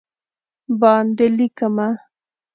باندې لېکمه